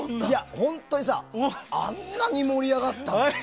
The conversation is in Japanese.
本当にさあんなに盛り上がったのに。